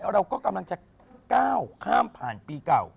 เราก็กำลังจะก้าวข้ามผ่านปีเก่า